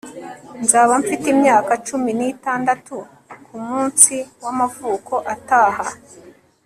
Nzaba mfite imyaka cumi nitandatu kumunsi wamavuko ataha